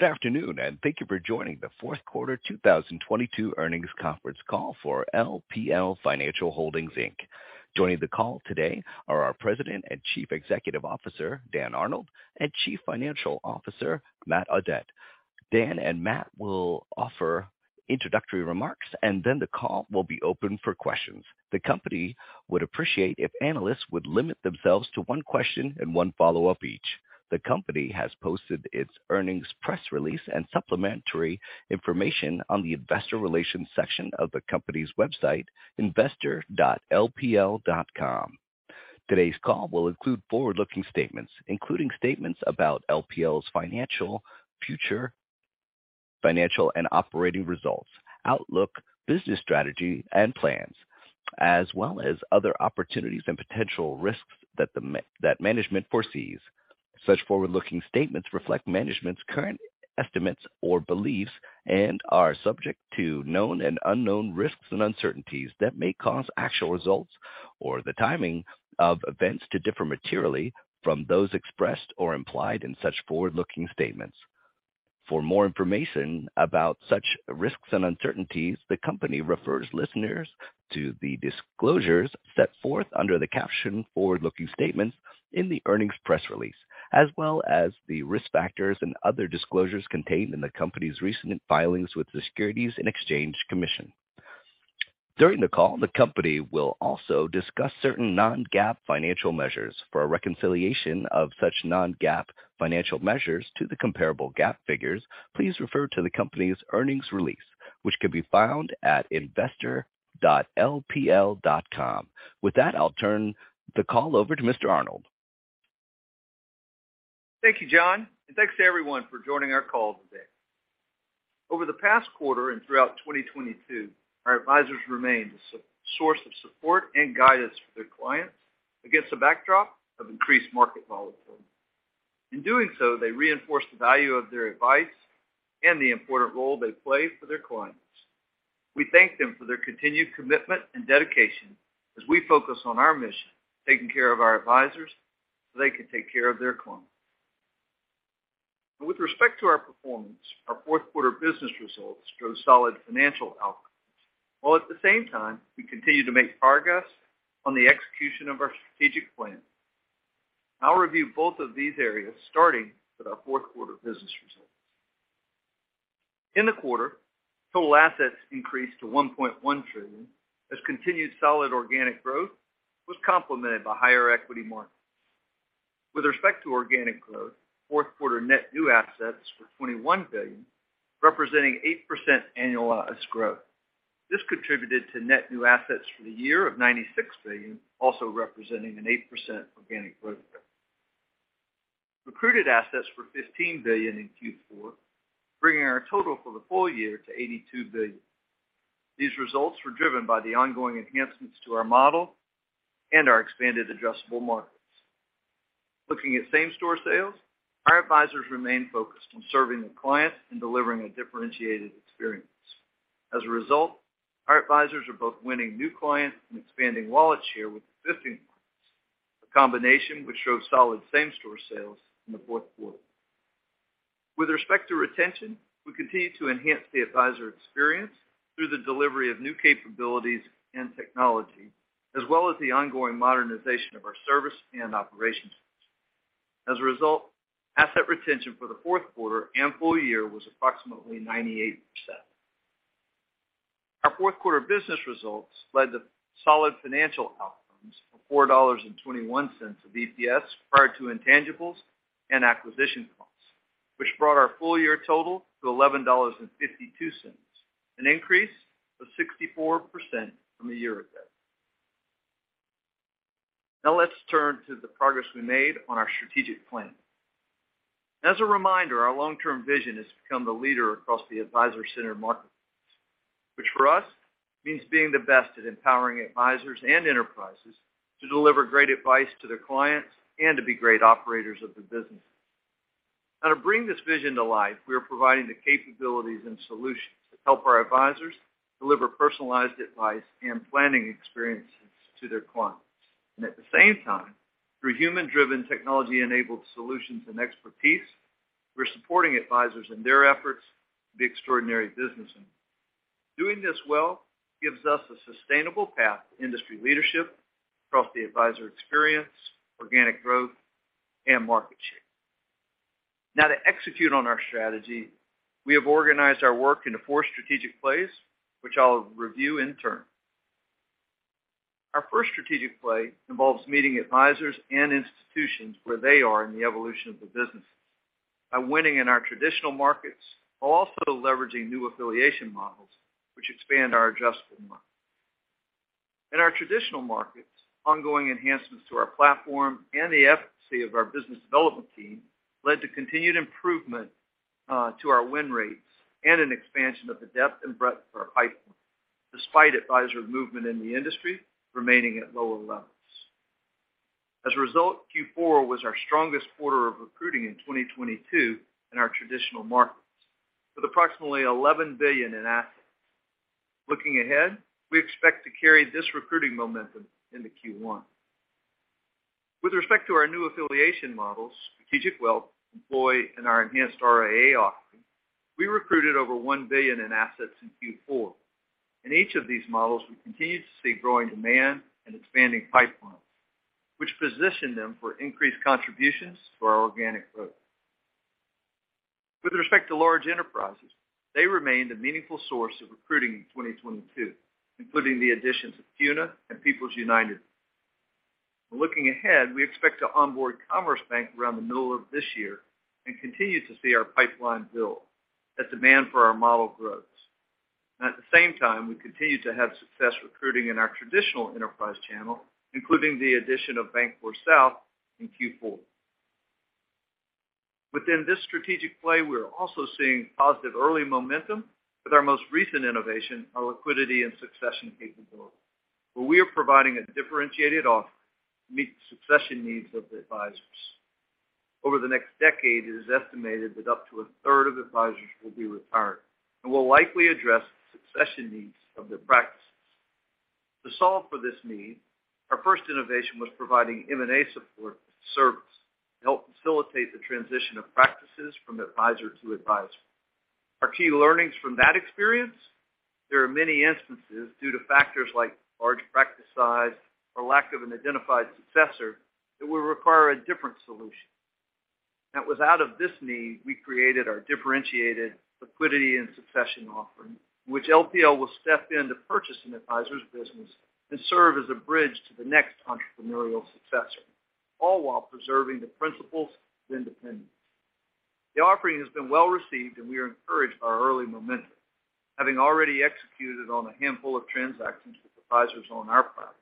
Good afternoon. Thank you for joining the fourth quarter 2022 earnings conference call for LPL Financial Holdings Inc. Joining the call today are our President and Chief Executive Officer, Dan Arnold, and Chief Financial Officer, Matt Audette. Dan. Matt will offer introductory remarks. The call will be open for questions. The company would appreciate if analysts would limit themselves to one question and one follow-up each. The company has posted its earnings press release and supplementary information on the investor relations section of the company's website, investor.lpl.com. Today's call will include forward-looking statements, including statements about LPL's financial, future financial and operating results, outlook, business strategy and plans, as well as other opportunities and potential risks that management foresees. Such forward-looking statements reflect management's current estimates or beliefs and are subject to known and unknown risks and uncertainties that may cause actual results or the timing of events to differ materially from those expressed or implied in such forward-looking statements. For more information about such risks and uncertainties, the company refers listeners to the disclosures set forth under the caption "Forward-Looking Statements" in the earnings press release, as well as the risk factors and other disclosures contained in the company's recent filings with the Securities and Exchange Commission. During the call, the company will also discuss certain non-GAAP financial measures. For a reconciliation of such non-GAAP financial measures to the comparable GAAP figures, please refer to the company's earnings release, which can be found at investor.lpl.com. With that, I'll turn the call over to Mr. Arnold. Thank you, John. Thanks to everyone for joining our call today. Over the past quarter and throughout 2022, our advisors remained a source of support and guidance for their clients against a backdrop of increased market volatility. In doing so, they reinforced the value of their advice and the important role they play for their clients. We thank them for their continued commitment and dedication as we focus on our mission, taking care of our advisors so they can take care of their clients. With respect to our performance, our fourth quarter business results show solid financial outcomes, while at the same time, we continue to make progress on the execution of our strategic plan. I'll review both of these areas, starting with our fourth quarter business results. In the quarter, total assets increased to $1.1 trillion, as continued solid organic growth was complemented by higher equity markets. With respect to organic growth, fourth quarter net new assets were $21 billion, representing 8% annualized growth. This contributed to net new assets for the year of $96 billion, also representing an 8% organic growth rate. Recruited assets were $15 billion in Q4, bringing our total for the full year to $82 billion. These results were driven by the ongoing enhancements to our model and our expanded addressable markets. Looking at same-store sales, our advisors remain focused on serving the clients and delivering a differentiated experience. As a result, our advisors are both winning new clients and expanding wallet share with existing clients. A combination which shows solid same-store sales in the fourth quarter. With respect to retention, we continue to enhance the advisor experience through the delivery of new capabilities and technology, as well as the ongoing modernization of our service and operations. As a result, asset retention for the fourth quarter and full year was approximately 98%. Our fourth quarter business results led to solid financial outcomes of $4.21 of EPS prior to intangibles and acquisition costs, which brought our full year total to $11.52, an increase of 64% from the year ahead. Now let's turn to the progress we made on our strategic plan. As a reminder, our long-term vision is to become the leader across the advisor-centered marketplace, which for us means being the best at empowering advisors and enterprises to deliver great advice to their clients and to be great operators of their businesses. Now, to bring this vision to life, we are providing the capabilities and solutions to help our advisors deliver personalized advice and planning experiences to their clients. At the same time, through human-driven, technology-enabled solutions and expertise, we're supporting advisors in their efforts to be extraordinary business owners. Doing this well gives us a sustainable path to industry leadership across the advisor experience, organic growth, and market share. To execute on our strategy, we have organized our work into four strategic plays, which I'll review in turn. Our first strategic play involves meeting advisors and institutions where they are in the evolution of their businesses by winning in our traditional markets, while also leveraging new affiliation models which expand our addressable market. In our traditional markets, ongoing enhancements to our platform and the efficacy of our business development team led to continued improvement to our win rates and an expansion of the depth and breadth of our pipeline, despite advisor movement in the industry remaining at lower levels. As a result, Q4 was our strongest quarter of recruiting in 2022 in our traditional markets, with approximately $11 billion in assets. Looking ahead, we expect to carry this recruiting momentum into Q1. With respect to our new affiliation models, Strategic Wealth, employee, and our enhanced RIA offering, we recruited over $1 billion in assets in Q4. In each of these models, we continue to see growing demand and expanding pipelines, which position them for increased contributions for our organic growth. With respect to large enterprises, they remained a meaningful source of recruiting in 2022, including the additions of CUNA and People's United. Looking ahead, we expect to onboard Commerce Bank around the middle of this year and continue to see our pipeline build as demand for our model grows. At the same time, we continue to have success recruiting in our traditional enterprise channel, including the addition of BancorpSouth in Q4. Within this strategic play, we're also seeing positive early momentum with our most recent innovation, our liquidity and succession capability, where we are providing a differentiated offer to meet the succession needs of the advisors. Over the next decade, it is estimated that up to a third of advisors will be retiring and will likely address the succession needs of their practices. To solve for this need, our first innovation was providing M&A support as a service to help facilitate the transition of practices from advisor to advisor. Our key learnings from that experience, there are many instances due to factors like large practice size or lack of an identified successor that will require a different solution. It was out of this need we created our differentiated liquidity and succession offering, which LPL will step in to purchase an advisor's business and serve as a bridge to the next entrepreneurial successor, all while preserving the principles of independence. The offering has been well-received, and we are encouraged by our early momentum, having already executed on a handful of transactions with advisors on our platform.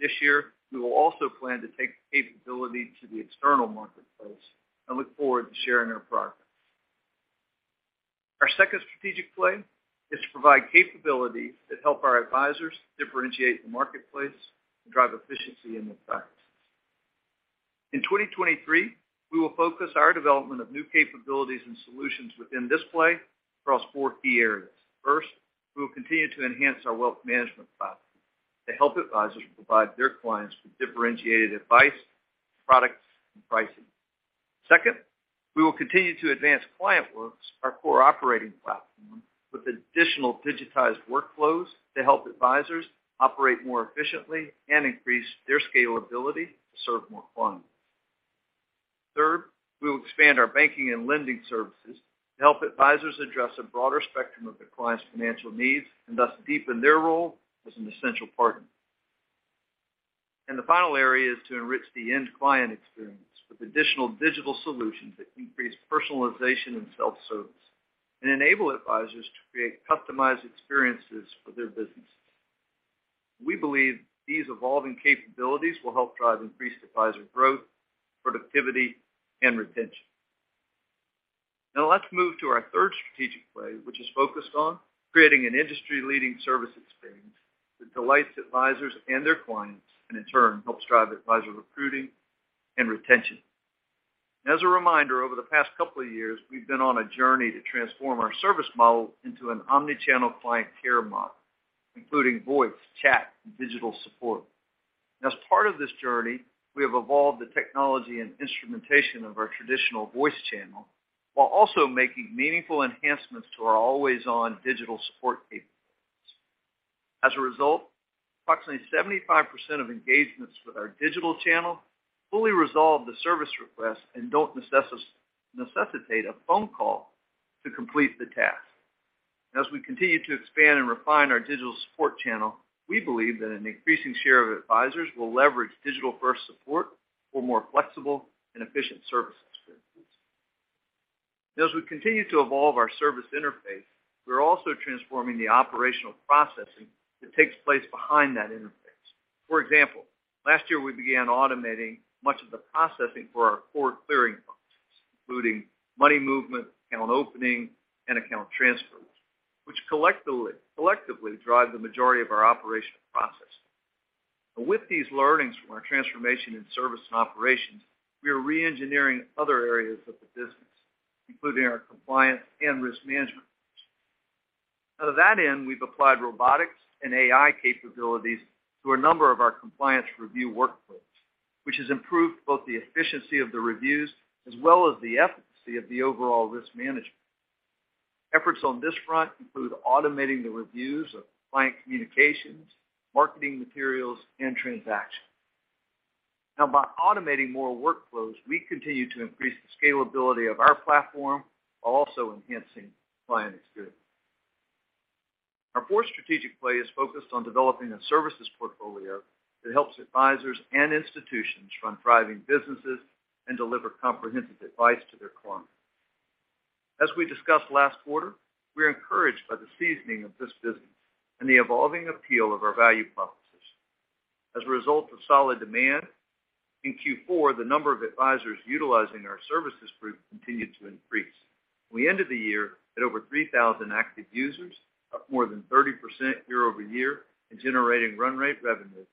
This year, we will also plan to take the capability to the external marketplace and look forward to sharing our progress. Our second strategic play is to provide capabilities that help our advisors differentiate the marketplace and drive efficiency in their practices. In 2023, we will focus our development of new capabilities and solutions within this play across four key areas. First, we will continue to enhance our wealth management platform to help advisors provide their clients with differentiated advice, products, and pricing. Second, we will continue to advance ClientWorks, our core operating platform, with additional digitized workflows to help advisors operate more efficiently and increase their scalability to serve more clients. Third, we will expand our banking and lending services to help advisors address a broader spectrum of their clients' financial needs and thus deepen their role as an essential partner. The final area is to enrich the end client experience with additional digital solutions that increase personalization and self-service and enable advisors to create customized experiences for their businesses. We believe these evolving capabilities will help drive increased advisor growth, productivity, and retention. Let's move to our third strategic play, which is focused on creating an industry-leading service experience that delights advisors and their clients and in turn helps drive advisor recruiting and retention. As a reminder, over the past couple of years, we've been on a journey to transform our service model into an omnichannel client care model, including voice, chat, and digital support. As part of this journey, we have evolved the technology and instrumentation of our traditional voice channel while also making meaningful enhancements to our always-on digital support capabilities. As a result, approximately 75% of engagements with our digital channel fully resolve the service request and don't necessitate a phone call to complete the task. As we continue to expand and refine our digital support channel, we believe that an increasing share of advisors will leverage digital-first support for more flexible and efficient service experiences. As we continue to evolve our service interface, we're also transforming the operational processing that takes place behind that interface. For example, last year, we began automating much of the processing for our core clearing functions, including money movement, account opening, and account transfers, which collectively drive the majority of our operational processing. With these learnings from our transformation in service and operations, we are re-engineering other areas of the business, including our compliance and risk management functions. To that end, we've applied robotics and AI capabilities to a number of our compliance review workflows, which has improved both the efficiency of the reviews as well as the efficacy of the overall risk management. Efforts on this front include automating the reviews of client communications, marketing materials, and transactions. Now, by automating more workflows, we continue to increase the scalability of our platform while also enhancing client experience. Our fourth strategic play is focused on developing a services portfolio that helps advisors and institutions run thriving businesses and deliver comprehensive advice to their clients. As we discussed last quarter, we're encouraged by the seasoning of this business and the evolving appeal of our value propositions. As a result of solid demand, in Q4, the number of advisors utilizing our services group continued to increase. We ended the year at over 3,000 active users, up more than 30% year-over-year, and generating run rate revenue of $36 million.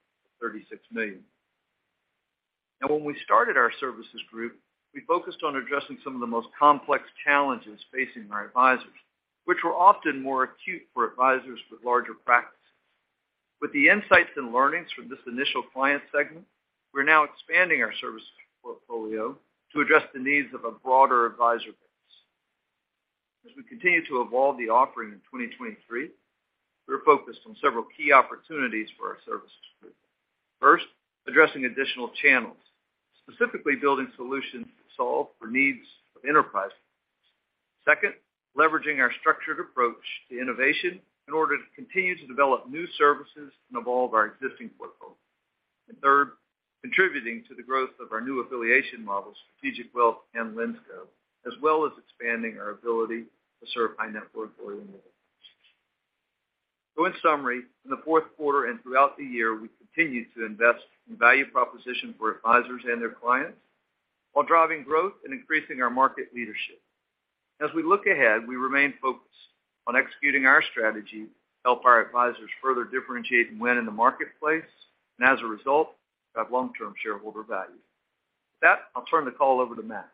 Now, when we started our services group, we focused on addressing some of the most complex challenges facing our advisors, which were often more acute for advisors with larger practices. With the insights and learnings from this initial client segment, we're now expanding our service portfolio to address the needs of a broader advisor base. As we continue to evolve the offering in 2023, we're focused on several key opportunities for our services. First, addressing additional channels, specifically building solutions to solve for needs of enterprise. Second, leveraging our structured approach to innovation in order to continue to develop new services and evolve our existing portfolio. Third, contributing to the growth of our new affiliation model, Strategic Wealth and Linsco, as well as expanding our ability to serve uncertain. In summary, in the fourth quarter and throughout the year, we continued to invest in value proposition for advisors and their clients while driving growth and increasing our market leadership. We look ahead, we remain focused on executing our strategy to help our advisors further differentiate and win in the marketplace, and as a result, have long-term shareholder value. I'll turn the call over to Matt.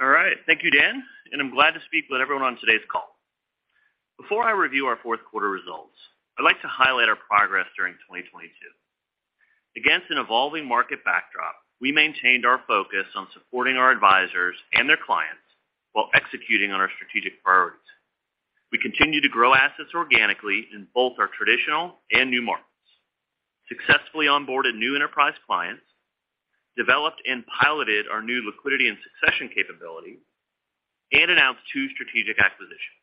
All right. Thank you, Dan, and I'm glad to speak with everyone on today's call. Before I review our fourth quarter results, I'd like to highlight our progress during 2022. Against an evolving market backdrop, we maintained our focus on supporting our advisors and their clients while executing on our strategic priorities. We continued to grow assets organically in both our traditional and new markets, successfully onboarded new enterprise clients, developed and piloted our new liquidity and succession capability, and announced 2 strategic acquisitions.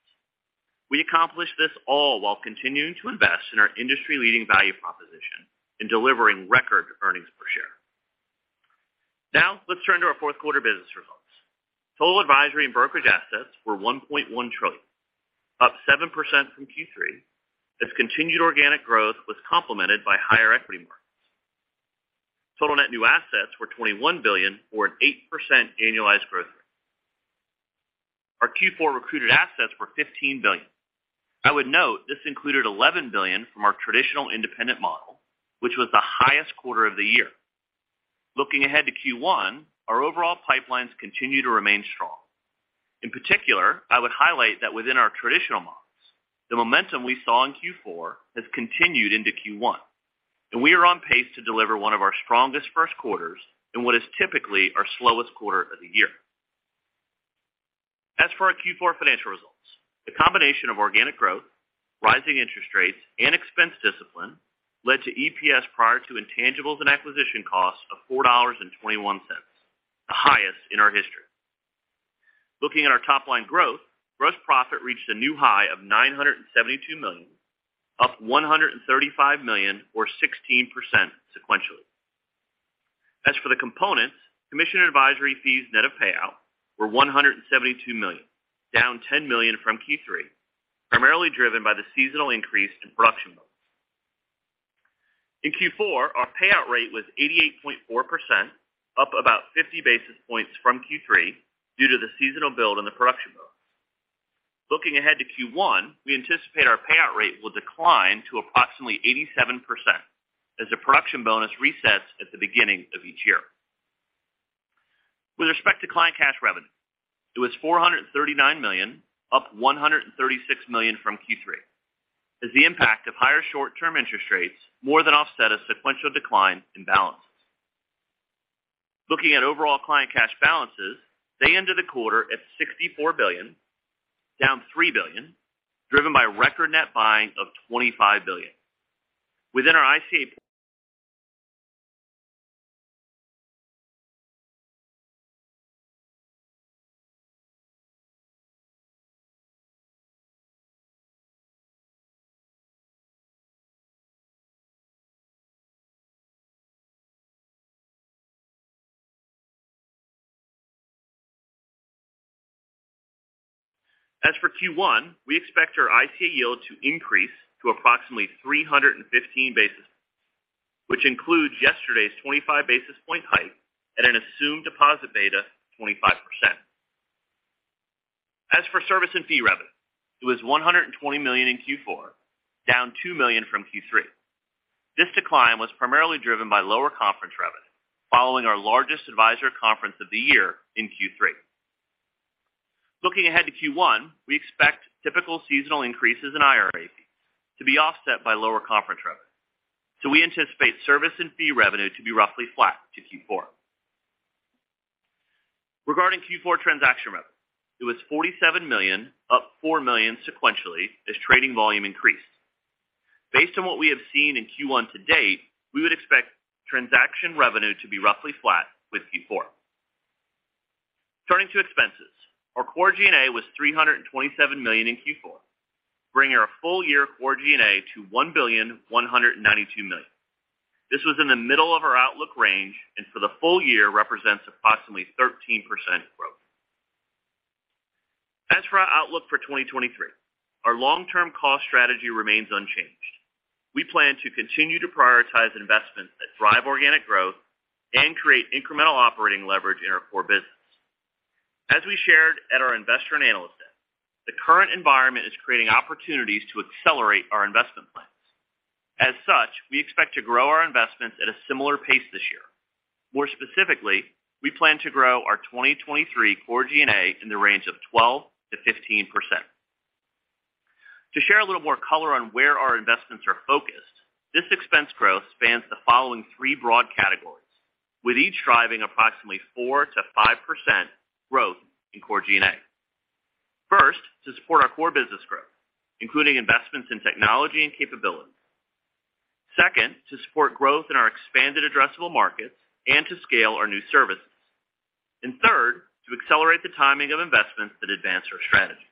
We accomplished this all while continuing to invest in our industry-leading value proposition in delivering record earnings per share. Now let's turn to our fourth quarter business results. Total advisory and brokerage assets were $1.1 trillion, up 7% from Q3 as continued organic growth was complemented by higher equity markets. Total net new assets were $21 billion, or an 8% annualized growth rate. Our Q4 recruited assets were $15 billion. I would note this included $11 billion from our traditional independent model, which was the highest quarter of the year. Looking ahead to Q1, our overall pipelines continue to remain strong. In particular, I would highlight that within our traditional models, the momentum we saw in Q4 has continued into Q1, and we are on pace to deliver one of our strongest first quarters in what is typically our slowest quarter of the year. As for our Q4 financial results, the combination of organic growth, rising interest rates, and expense discipline led to EPS prior to intangibles and acquisition costs of $4.21, the highest in our history. Looking at our top line growth, gross profit reached a new high of $972 million, up $135 million or 16% sequentially. As for the components, commission advisory fees net of payout were $172 million, down $10 million from Q3, primarily driven by the seasonal increase in production bonus. In Q4, our payout rate was 88.4%, up about 50 basis points from Q3 due to the seasonal build in the production bonus. Looking ahead to Q1, we anticipate our payout rate will decline to approximately 87% as the production bonus resets at the beginning of each year. With respect to client cash revenue, it was $439 million, up $136 million from Q3 as the impact of higher short-term interest rates more than offset a sequential decline in balances. Looking at overall client cash balances, they ended the quarter at $64 billion, down $3 billion, driven by record net buying of $25 billion. As for Q1, we expect our ICA yield to increase to approximately 315 basis, which includes yesterday's 25 basis point hike at an assumed deposit beta of 25%. As for service and fee revenue, it was $120 million in Q4, down $2 million from Q3. This decline was primarily driven by lower conference revenue following our largest advisor conference of the year in Q3. Looking ahead to Q1, we expect typical seasonal increases in IRA fees to be offset by lower conference revenue, so we anticipate service and fee revenue to be roughly flat to Q4. Regarding Q4 transaction revenue, it was $47 million, up $4 million sequentially as trading volume increased. Based on what we have seen in Q1 to date, we would expect transaction revenue to be roughly flat with Q4. Turning to expenses, our Core G&A was $327 million in Q4, bringing our full year Core G&A to $1,192 million. This was in the middle of our outlook range and for the full year represents approximately 13% growth. As for our outlook for 2023, our long-term cost strategy remains unchanged. We plan to continue to prioritize investments that drive organic growth and create incremental operating leverage in our core business. As we shared at our Investor and Analyst Day, the current environment is creating opportunities to accelerate our investment plans. As such, we expect to grow our investments at a similar pace this year. More specifically, we plan to grow our 2023 Core G&A in the range of 12%-15%. To share a little more color on where our investments are focused, this expense growth spans the following 3 broad categories, with each driving approximately 4%-5% growth in Core G&A. First, to support our core business growth, including investments in technology and capability. Second, to support growth in our expanded addressable markets and to scale our new services. Third, to accelerate the timing of investments that advance our strategy.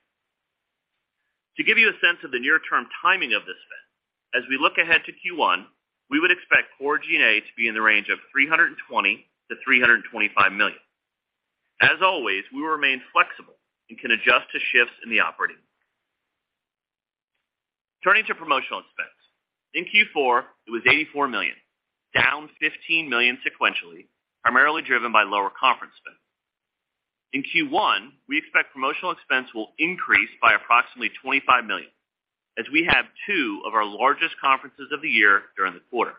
To give you a sense of the near term timing of this spend, as we look ahead to Q1, we would expect Core G&A to be in the range of $320 million-$325 million. As always, we will remain flexible and can adjust to shifts in the operating. Turning to promotional expense. In Q4, it was $84 million, down $15 million sequentially, primarily driven by lower conference spend. In Q1, we expect promotional expense will increase by approximately $25 million as we have two of our largest conferences of the year during the quarter.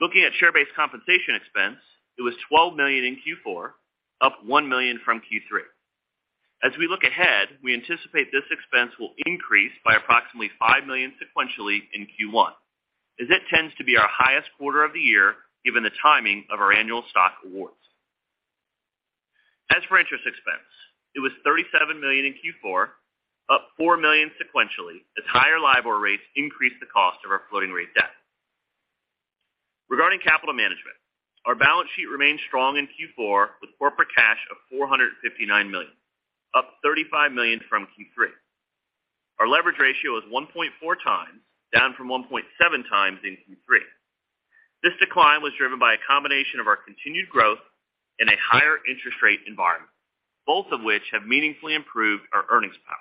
Looking at share-based compensation expense, it was $12 million in Q4, up $1 million from Q3. As we look ahead, we anticipate this expense will increase by approximately $5 million sequentially in Q1 as it tends to be our highest quarter of the year given the timing of our annual stock awards. As for interest expense, it was $37 million in Q4, up $4 million sequentially as higher LIBOR rates increased the cost of our floating rate debt. Regarding capital management, our balance sheet remained strong in Q4 with corporate cash of $459 million, up $35 million from Q3. Our leverage ratio is 1.4x, down from 1.7x in Q3. This decline was driven by a combination of our continued growth in a higher interest rate environment, both of which have meaningfully improved our earnings power.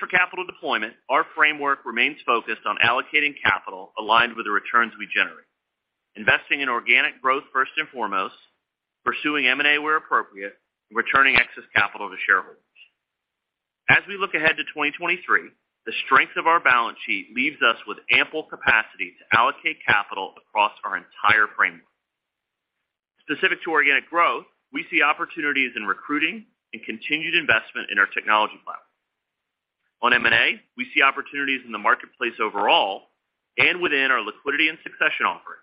For capital deployment, our framework remains focused on allocating capital aligned with the returns we generate. Investing in organic growth first and foremost, pursuing M&A where appropriate, and returning excess capital to shareholders. We look ahead to 2023, the strength of our balance sheet leaves us with ample capacity to allocate capital across our entire framework. Specific to organic growth, we see opportunities in recruiting and continued investment in our technology platform. On M&A, we see opportunities in the marketplace overall and within our liquidity and succession offering, where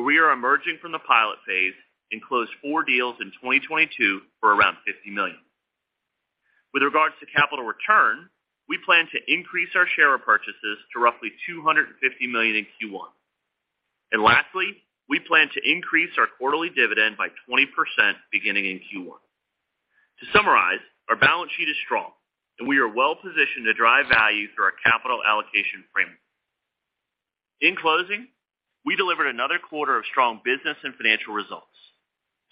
we are emerging from the pilot phase and closed four deals in 2022 for around $50 million. With regards to capital return, we plan to increase our share repurchases to roughly $250 million in Q1. Lastly, we plan to increase our quarterly dividend by 20% beginning in Q1. To summarize, our balance sheet is strong and we are well positioned to drive value through our capital allocation framework. In closing, we delivered another quarter of strong business and financial results.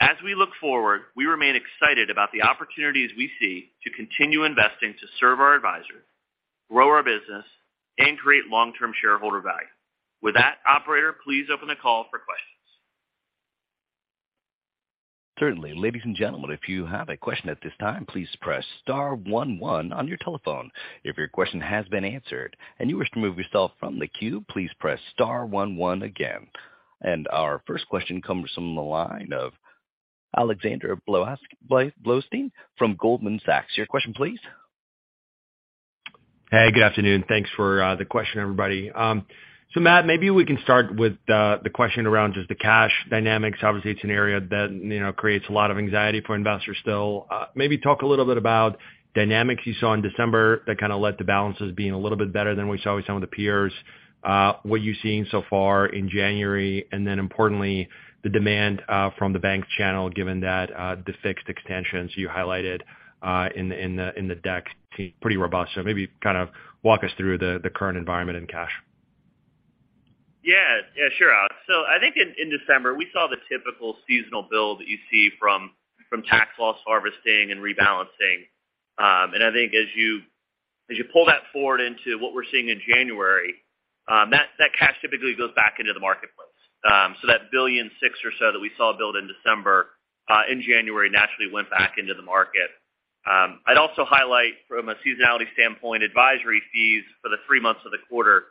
As we look forward, we remain excited about the opportunities we see to continue investing to serve our advisors, grow our business, and create long-term shareholder value. With that, operator, please open the call for questions. Certainly. Ladies and gentlemen, if you have a question at this time, please press star one one on your telephone. If your question has been answered and you wish to remove yourself from the queue, please press star one one again. Our first question comes from the line of Alexander Blostein from Goldman Sachs. Your question, please. Hey, good afternoon. Thanks for the question, everybody. Matt, maybe we can start with the question around just the cash dynamics. Obviously, it's an area that, you know, creates a lot of anxiety for investors still. Maybe talk a little bit about dynamics you saw in December that kind of led to balances being a little bit better than we saw with some of the peers, what you've seen so far in January, and then importantly, the demand from the bank channel, given that the fixed extensions you highlighted in the deck seem pretty robust. Maybe kind of walk us through the current environment in cash. Yeah. Yeah, sure, Alex. I think in December, we saw the typical seasonal build that you see from tax loss harvesting and rebalancing. I think as you, as you pull that forward into what we're seeing in January, that cash typically goes back into the marketplace. That $1.6 billion or so that we saw build in December, in January naturally went back into the market. I'd also highlight from a seasonality standpoint, advisory fees for the three months of the quarter.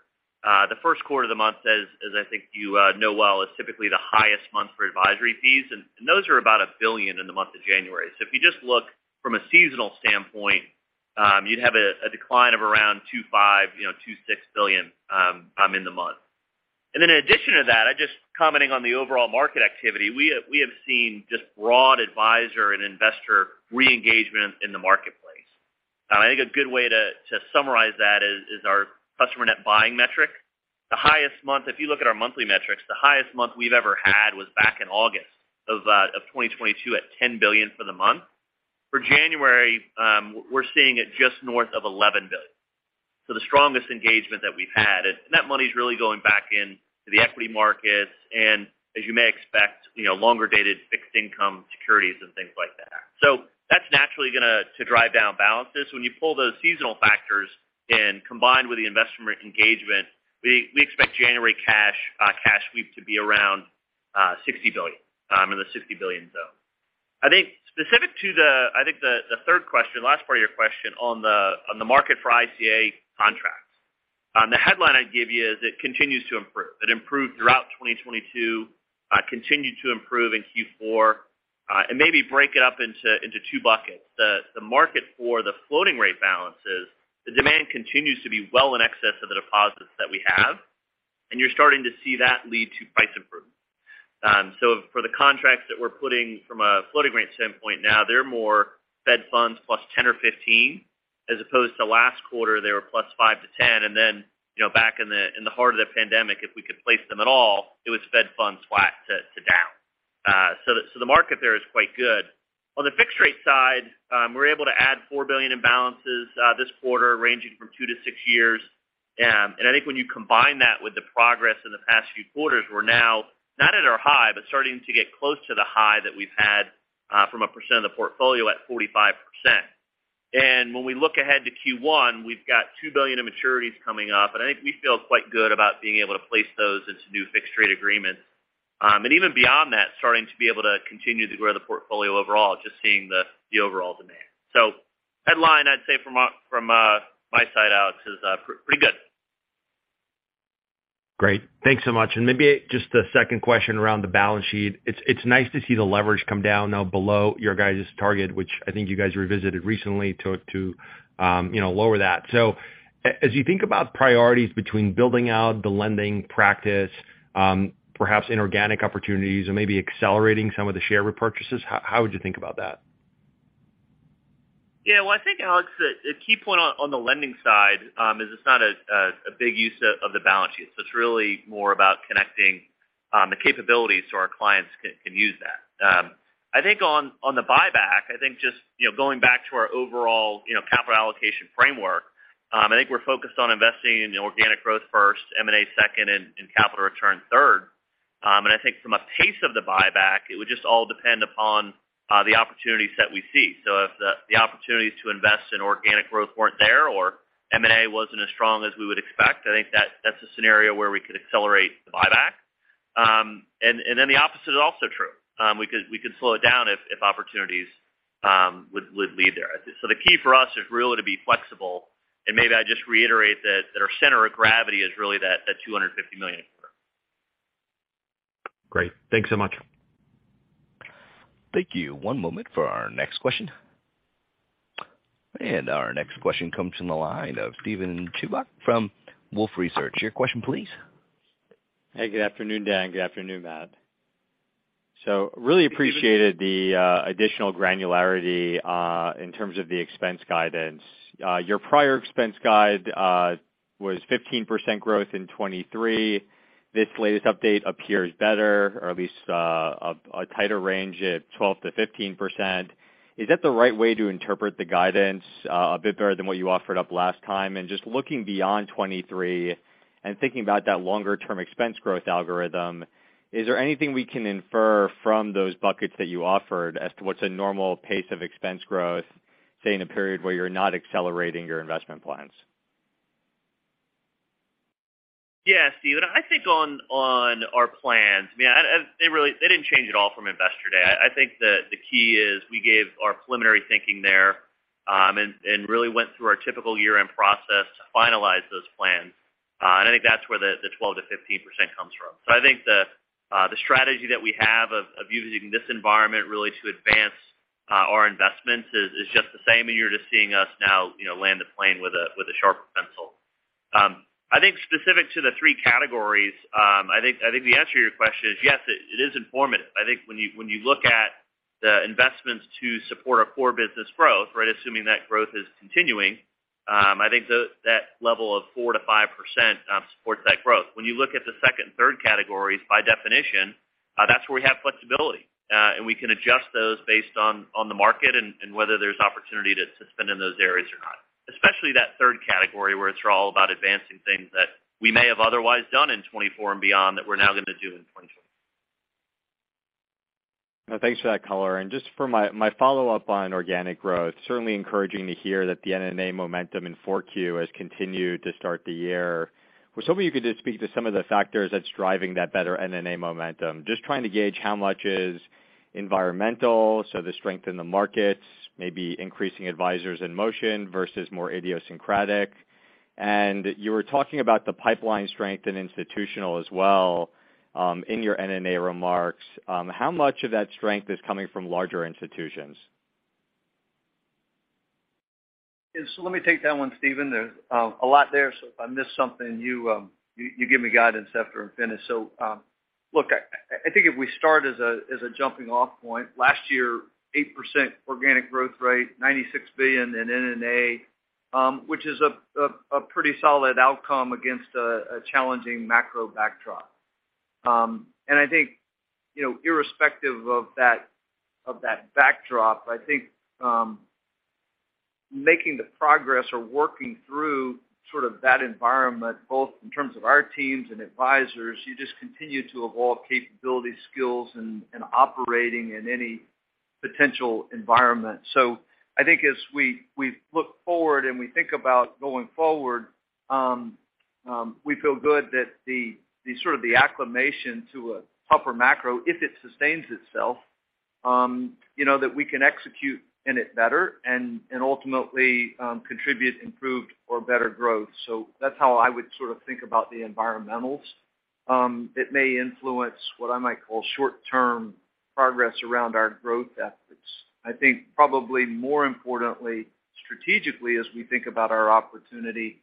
The first quarter of the month as I think you know well, is typically the highest month for advisory fees, and those are about $1 billion in the month of January. If you just look from a seasonal standpoint, you'd have a decline of around $2.5, you know, $2.6 billion in the month. In addition to that, I just commenting on the overall market activity, we have seen just broad advisor and investor re-engagement in the marketplace. I think a good way to summarize that is our customer net buying metric. The highest month, if you look at our monthly metrics, the highest month we've ever had was back in August of 2022 at $10 billion for the month. For January, we're seeing it just north of $11 billion. The strongest engagement that we've had, and that money is really going back into the equity markets and as you may expect, you know, longer dated fixed income securities and things like that. That's naturally gonna drive down balances. When you pull those seasonal factors and combined with the investment engagement, we expect January cash sweep to be around $60 billion in the $60 billion zone. I think specific to the third question, last part of your question on the market for ICA contracts. The headline I'd give you is it continues to improve. It improved throughout 2022, continued to improve in Q4, and maybe break it up into two buckets. The market for the floating rate balances, the demand continues to be well in excess of the deposits that we have, and you're starting to see that lead to price improvements. For the contracts that we're putting from a floating rate standpoint now, they're more Fed funds plus 10 or 15, as opposed to last quarter, they were plus 5-10. You know, back in the heart of the pandemic, if we could place them at all, it was Fed funds flat to down. The market there is quite good. On the fixed rate side, we're able to add $4 billion in balances this quarter ranging from 2-6 years. I think when you combine that with the progress in the past few quarters, we're now not at our high, but starting to get close to the high that we've had from a percent of the portfolio at 45%. When we look ahead to Q1, we've got $2 billion in maturities coming up, and I think we feel quite good about being able to place those into new fixed rate agreements. Even beyond that, starting to be able to continue to grow the portfolio overall, just seeing the overall demand. Headline I'd say from my side, Alex, is pretty good. Great. Thanks so much. Maybe just a second question around the balance sheet. It's nice to see the leverage come down now below your guys' target, which I think you guys revisited recently to, you know, lower that. As you think about priorities between building out the lending practice, perhaps inorganic opportunities or maybe accelerating some of the share repurchases, how would you think about that? Well, I think, Alex, the key point on the lending side is it's not a big use of the balance sheet. It's really more about connecting the capabilities so our clients can use that. I think on the buyback, I think just, you know, going back to our overall, you know, capital allocation framework, I think we're focused on investing in the organic growth first, M&A second, and capital return third. I think from a pace of the buyback, it would just all depend upon the opportunities that we see. If the opportunities to invest in organic growth weren't there or M&A wasn't as strong as we would expect, I think that's a scenario where we could accelerate the buyback. The opposite is also true. We could slow it down if opportunities would lead there. The key for us is really to be flexible, and maybe I just reiterate that our center of gravity is really that $250 million. Great. Thanks so much. Thank you. One moment for our next question. Our next question comes from the line of Steven Chubak from Wolfe Research. Your question, please. Hey, good afternoon, Dan. Good afternoon, Matt. Really appreciated the additional granularity in terms of the expense guidance. Your prior expense guide was 15% growth in 2023. This latest update appears better or at least a tighter range at 12%-15%. Is that the right way to interpret the guidance a bit better than what you offered up last time? Just looking beyond 2023 and thinking about that longer term expense growth algorithm, is there anything we can infer from those buckets that you offered as to what's a normal pace of expense growth, say, in a period where you're not accelerating your investment plans? Yeah, Steven, I think on our plans, I mean, they really didn't change at all from Investor Day. I think the key is we gave our preliminary thinking there, and really went through our typical year-end process to finalize those plans. I think that's where the 12%-15% comes from. I think the strategy that we have of using this environment really to advance our investments is just the same, and you're just seeing us now, you know, land a plane with a sharper pencil. I think specific to the three categories, I think the answer to your question is yes, it is informative. I think when you, when you look at the investments to support a core business growth, right, assuming that growth is continuing, I think that level of 4%-5% supports that growth. When you look at the second and third categories by definition, that's where we have flexibility. We can adjust those based on the market and whether there's opportunity to suspend in those areas or not, especially that third category where it's all about advancing things that we may have otherwise done in 2024 and beyond that we're now gonna do in 2023. No, thanks for that color. Just for my follow-up on organic growth, certainly encouraging to hear that the NNA momentum in 4Q has continued to start the year. Was hoping you could just speak to some of the factors that's driving that better NNA momentum. Just trying to gauge how much is environmental, so the strength in the markets may be increasing advisors in motion versus more idiosyncratic. You were talking about the pipeline strength in institutional as well, in your NNA remarks. How much of that strength is coming from larger institutions? Yeah. Let me take that one, Steven. There's a lot there. If I miss something, you give me guidance after I'm finished. Look, I think if we start as a jumping off point, last year, 8% organic growth rate, $96 billion in NNA, which is a pretty solid outcome against a challenging macro backdrop. I think, you know, irrespective of that backdrop, I think making the progress or working through sort of that environment, both in terms of our teams and advisors, you just continue to evolve capabilities, skills, and operating in any potential environment. I think as we look forward and we think about going forward, we feel good that the sort of the acclimation to a tougher macro, if it sustains itself, you know, that we can execute in it better and ultimately contribute improved or better growth. That's how I would sort of think about the environmentals. It may influence what I might call short-term progress around our growth efforts. I think probably more importantly, strategically, as we think about our opportunity,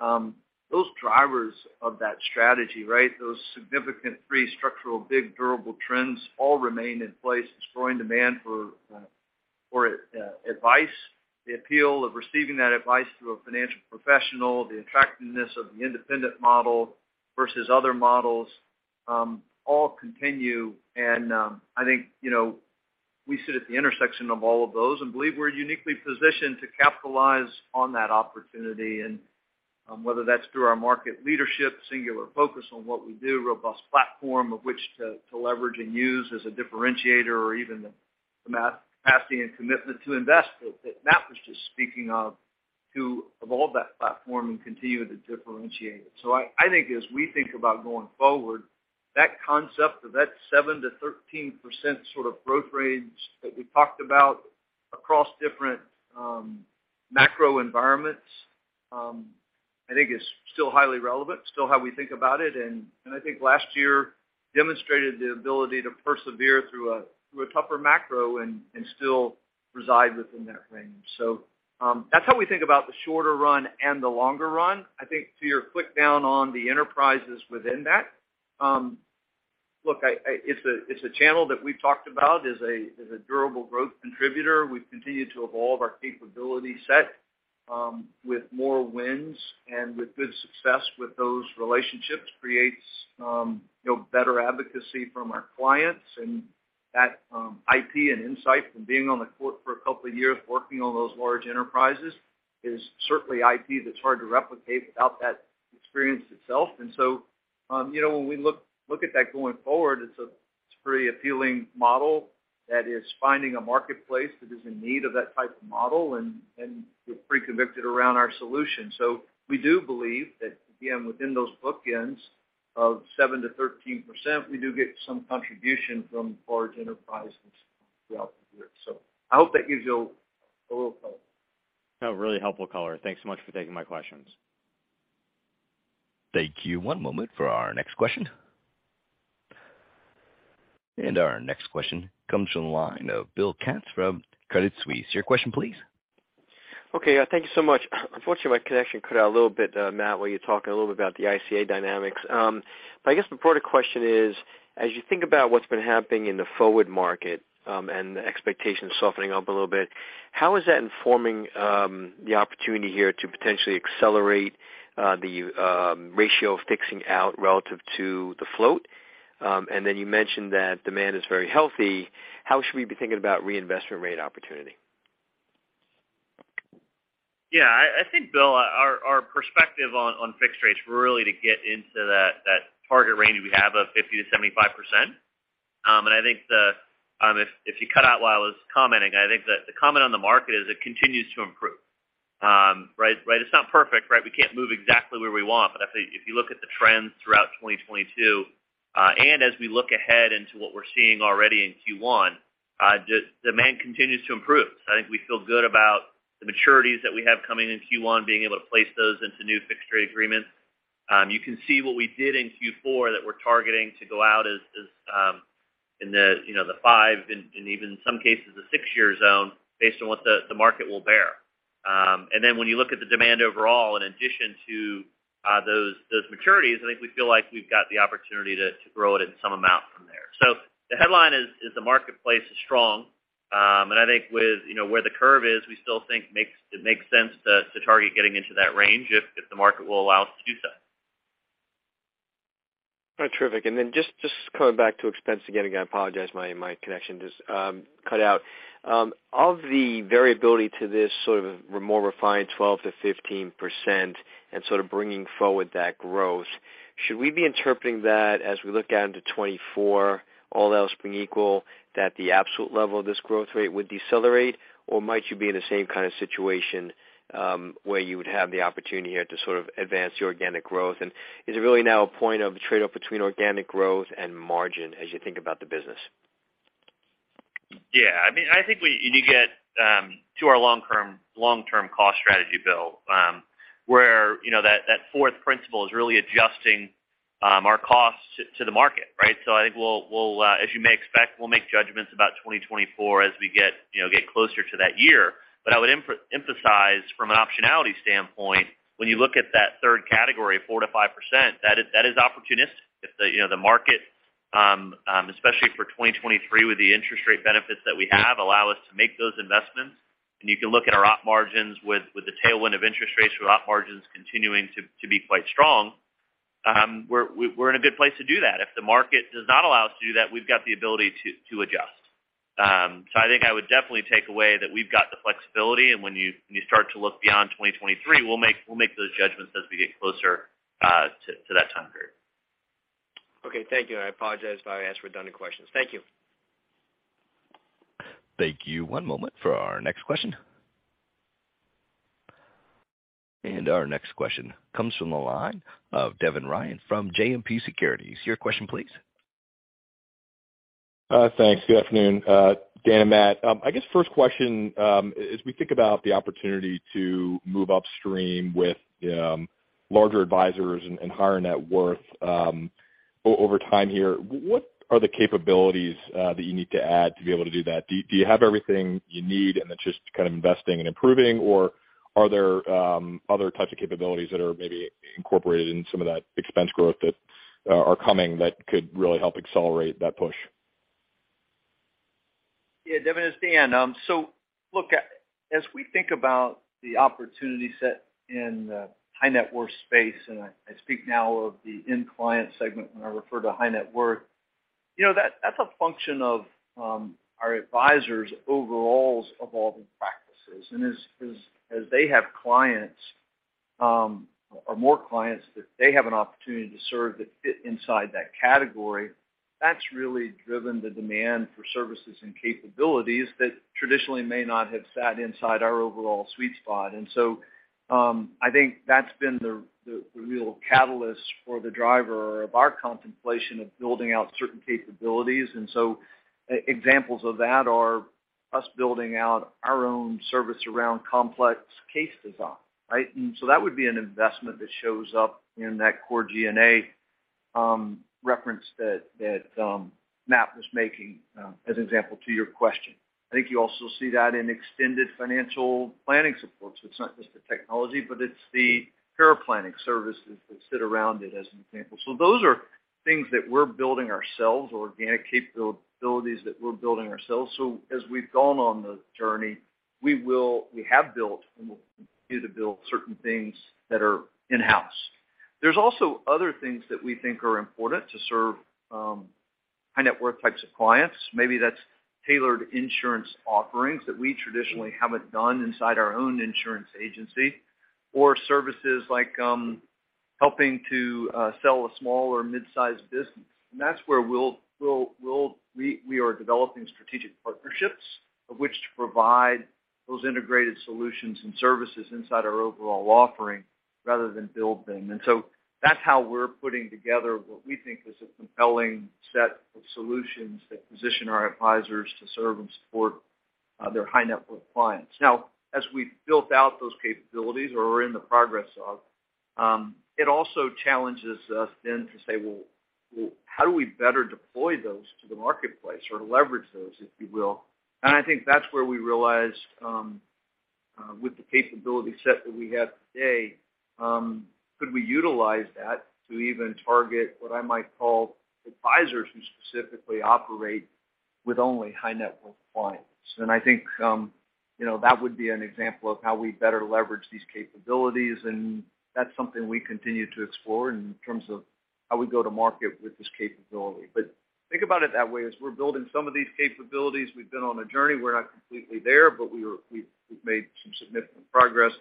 those drivers of that strategy, right, those significant three structural, big, durable trends all remain in place. Destroying demand for advice, the appeal of receiving that advice through a financial professional, the attractiveness of the independent model versus other models, all continue. I think, you know, we sit at the intersection of all of those and believe we're uniquely positioned to capitalize on that opportunity. Whether that's through our market leadership, singular focus on what we do, robust platform of which to leverage and use as a differentiator or even the capacity and commitment to invest that Matt was just speaking of, to evolve that platform and continue to differentiate it. I think as we think about going forward, that concept of that 7%-13% sort of growth range that we talked about across different macro environments, I think is still highly relevant, still how we think about it. I think last year demonstrated the ability to persevere through a tougher macro and still reside within that range. That's how we think about the shorter run and the longer run. I think to your quick down on the enterprises within that, look, it's a channel that we've talked about as a durable growth contributor. We've continued to evolve our capability set with more wins and with good success with those relationships creates, you know, better advocacy from our clients. That IP and insight from being on the court for a couple of years, working on those large enterprises is certainly IP that's hard to replicate without that experience itself. When we look at that going forward, it's a pretty appealing model that is finding a marketplace that is in need of that type of model, and we're pre-convicted around our solution. We do believe that, again, within those bookends of 7%-13%, we do get some contribution from large enterprises throughout the year. I hope that gives you a little color. No, really helpful color. Thanks so much for taking my questions. Thank you. One moment for our next question. Our next question comes from the line of Bill Katz from Credit Suisse. Your question, please. Okay. Thank you so much. Unfortunately, my connection cut out a little bit, Matt, while you were talking a little bit about the ICA dynamics. I guess the broader question is, as you think about what's been happening in the forward market, and the expectations softening up a little bit, how is that informing the opportunity here to potentially accelerate the ratio of fixing out relative to the float? You mentioned that demand is very healthy. How should we be thinking about reinvestment rate opportunity? Yeah, I think, Bill, our perspective on fixed rates really to get into that target range we have of 50%-75%. I think the, if you cut out while I was commenting, I think that the comment on the market is it continues to improve. Right? It's not perfect, right? We can't move exactly where we want. I think if you look at the trends throughout 2022, and as we look ahead into what we're seeing already in Q1, just demand continues to improve. I think we feel good about the maturities that we have coming in Q1, being able to place those into new fixed rate agreements. You can see what we did in Q4 that we're targeting to go out as, in the, you know, the 5 and even some cases the 6-year zone based on what the market will bear. Then when you look at the demand overall in addition to those maturities, I think we feel like we've got the opportunity to grow it in some amount from there. The headline is the marketplace is strong. And I think with, you know, where the curve is, we still think it makes sense to target getting into that range if the market will allow us to do so. All right. Terrific. Then just coming back to expense again. Again, I apologize my connection just cut out. Of the variability to this sort of more refined 12%-15% and sort of bringing forward that growth, should we be interpreting that as we look out into 2024, all else being equal, that the absolute level of this growth rate would decelerate, or might you be in the same kind of situation where you would have the opportunity here to sort of advance the organic growth? Is it really now a point of trade-off between organic growth and margin as you think about the business? Yeah, I mean, I think we and you get to our long-term cost strategy, Bill, where, you know, that fourth principle is really adjusting our costs to the market, right? I think we'll as you may expect, we'll make judgments about 2024 as we get closer to that year. I would emphasize from an optionality standpoint, when you look at that third category of 4%-5%, that is opportunistic. If the, you know, the market, especially for 2023 with the interest rate benefits that we have allow us to make those investments, and you can look at our op margins with the tailwind of interest rates for op margins continuing to be quite strong, we're in a good place to do that. If the market does not allow us to do that, we've got the ability to adjust. I think I would definitely take away that we've got the flexibility, and when you start to look beyond 2023, we'll make those judgments as we get closer to that time period. Okay. Thank you. I apologize if I asked redundant questions. Thank you. Thank you. One moment for our next question. Our next question comes from the line of Devin Ryan from JMP Securities. Your question, please. Thanks. Good afternoon, Dan and Matt. I guess first question, as we think about the opportunity to move upstream with larger advisors and higher net worth over time here, what are the capabilities that you need to add to be able to do that? Do you have everything you need, and it's just kind of investing and improving? Or are there other types of capabilities that are maybe incorporated in some of that expense growth that are coming that could really help accelerate that push? Yeah, Devin, it's Dan. Look, as we think about the opportunity set in the high net worth space, and I speak now of the end client segment when I refer to high net worth, you know, that's a function of our advisors' overalls evolving practices. As they have clients or more clients that they have an opportunity to serve that fit inside that category, that's really driven the demand for services and capabilities that traditionally may not have sat inside our overall sweet spot. I think that's been the real catalyst for the driver of our contemplation of building out certain capabilities. Examples of that are us building out our own service around complex case design, right? That would be an investment that shows up in that Core G&A reference that Matt Audette was making as an example to your question. I think you also see that in extended financial planning supports. It's not just the technology, but it's the paraplanning services that sit around it, as an example. Those are things that we're building ourselves, organic capabilities that we're building ourselves. As we've gone on the journey, we have built and we'll continue to build certain things that are in-house. There's also other things that we think are important to serve high-net-worth types of clients. Maybe that's tailored insurance offerings that we traditionally haven't done inside our own insurance agency, or services like helping to sell a small or mid-sized business. That's where we are developing strategic partnerships of which to provide those integrated solutions and services inside our overall offering rather than build them. That's how we're putting together what we think is a compelling set of solutions that position our advisors to serve and support their High-Net-Worth clients. As we've built out those capabilities or are in the progress of, it also challenges us then to say, "Well, how do we better deploy those to the marketplace or leverage those," if you will. I think that's where we realized with the capability set that we have today, could we utilize that to even target what I might call advisors who specifically operate with only High-Net-Worth clients? I think, you know, that would be an example of how we better leverage these capabilities, and that's something we continue to explore in terms of how we go to market with this capability. Think about it that way. As we're building some of these capabilities, we've been on a journey. We're not completely there, but we've made some significant progress.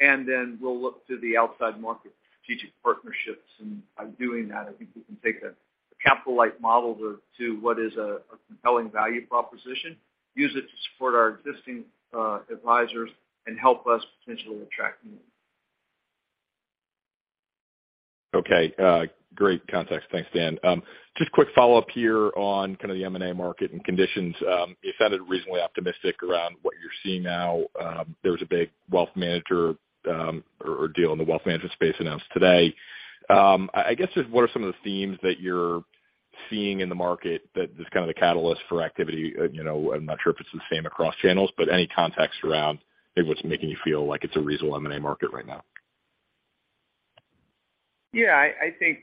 Then we'll look to the outside market strategic partnerships. By doing that, I think we can take a capital-light model to what is a compelling value proposition, use it to support our existing advisors and help us potentially attract new ones. Okay. Great context. Thanks, Dan. Just quick follow-up here on kind of the M&A market and conditions. You sounded reasonably optimistic around what you're seeing now. There was a big wealth manager, or deal in the wealth management space announced today. I guess just what are some of the themes that you're seeing in the market that is kind of the catalyst for activity? You know, I'm not sure if it's the same across channels, but any context around maybe what's making you feel like it's a reasonable M&A market right now? Yeah. I think,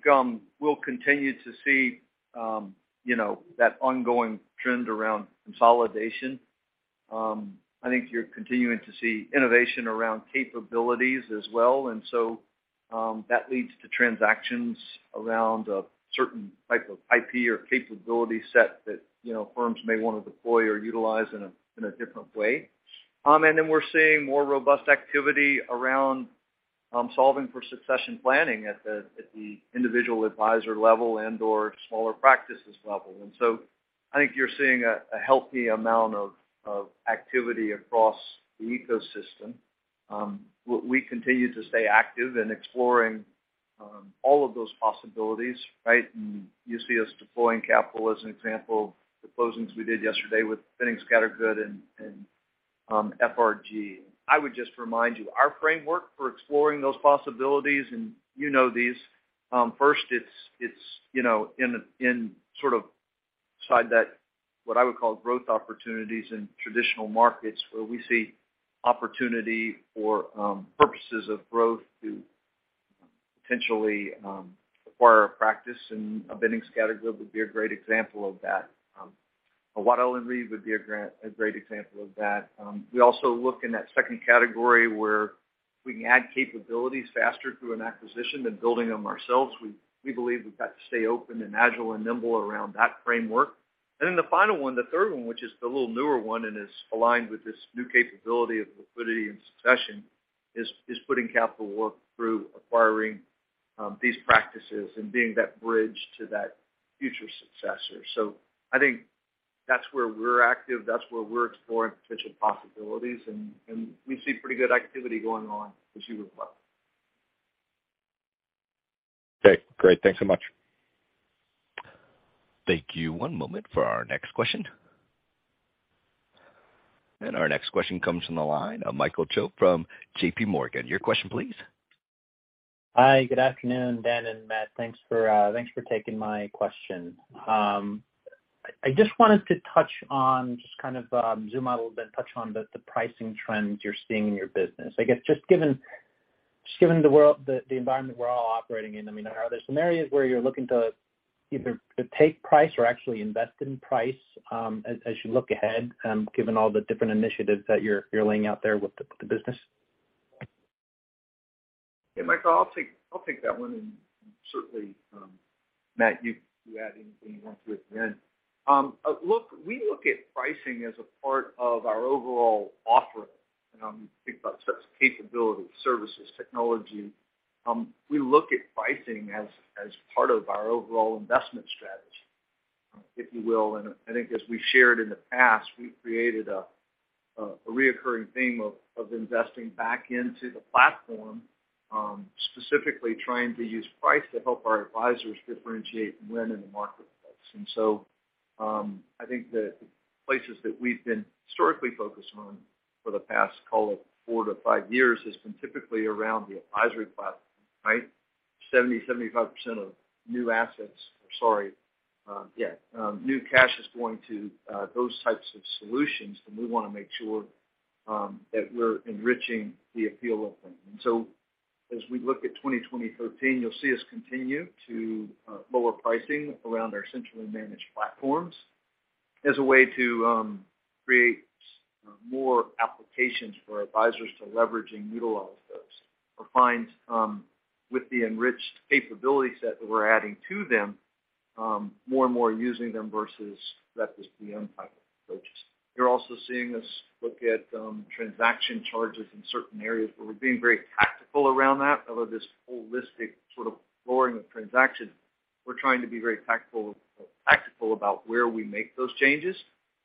we'll continue to see, you know, that ongoing trend around consolidation. I think you're continuing to see innovation around capabilities as well. That leads to transactions around a certain type of IP or capability set that, you know, firms may wanna deploy or utilize in a different way. We're seeing more robust activity around solving for succession planning at the individual advisor level and/or smaller practices level. I think you're seeing a healthy amount of activity across the ecosystem. We continue to stay active in exploring all of those possibilities, right? You see us deploying capital as an example, the closings we did yesterday with Boenning & Scattergood and FRG. I would just remind you, our framework for exploring those possibilities, and you know these. First it's, you know, in sort of inside that what I would call growth opportunities in traditional markets where we see opportunity for purposes of growth to potentially acquire a practice. Boenning & Scattergood would be a great example of that. Waddell & Reed would be a great example of that. We also look in that second category where we can add capabilities faster through an acquisition than building them ourselves. We believe we've got to stay open and agile and nimble around that framework. The final one, the third one, which is the little newer one and is aligned with this new capability of liquidity and succession, is putting capital to work through acquiring these practices and being that bridge to that future successor. I think that's where we're active, that's where we're exploring potential possibilities, and we see pretty good activity going on as you require. Okay, great. Thanks so much. Thank you. One moment for our next question. Our next question comes from the line of Michael Cho from JPMorgan. Your question please. Hi, good afternoon, Dan and Matt. Thanks for taking my question. I just wanted to touch on just kind of zoom out a little bit and touch on the pricing trends you're seeing in your business. I guess just given the environment we're all operating in, I mean, are there some areas where you're looking to either to take price or actually invest in price as you look ahead given all the different initiatives that you're laying out there with the business? Yeah, Michael, I'll take that one. Certainly, Matt, you can add anything you want to at the end. Look, we look at pricing as a part of our overall offering. You think about sets of capabilities, services, technology. We look at pricing as part of our overall investment strategy, if you will. I think as we shared in the past, we've created a reoccurring theme of investing back into the platform, specifically trying to use price to help our advisors differentiate and win in the marketplace. I think the places that we've been historically focused on for the past, call it 4-5 years, has been typically around the advisory platform, right? 70%-75% of new assets. Sorry. Yeah. New cash is going to those types of solutions, and we wanna make sure that we're enriching the appeal of them. As we look at 2013, you'll see us continue to lower pricing around our Centrally Managed platforms as a way to create more applications for our advisors to leverage and utilize those. Find with the enriched capability set that we're adding to them, more and more using them versus that was the end-all. You're also seeing us look at transaction charges in certain areas where we're being very tactical around that. Although this holistic sort of lowering of transaction, we're trying to be very tactful, tactical about where we make those changes,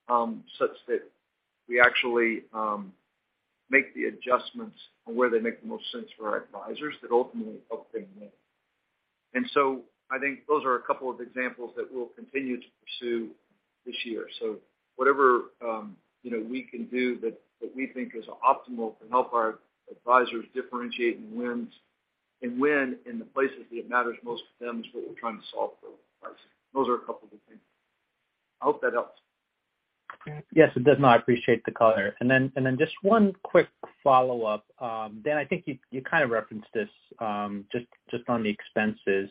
such that we actually, make the adjustments on where they make the most sense for our advisors that ultimately help them win. I think those are a couple of examples that we'll continue to pursue this year. Whatever, you know, we can do that we think is optimal to help our advisors differentiate and win in the places that matters most to them is what we're trying to solve for pricing. Those are a couple of the things. I hope that helps. Yes, it does. I appreciate the color. Just one quick follow-up. Dan, I think you kind of referenced this, just on the expenses.